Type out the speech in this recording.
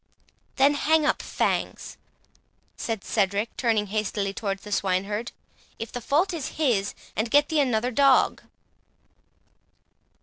"Then hang up Fangs," said Cedric, turning hastily towards the swineherd, "if the fault is his, and get thee another dog."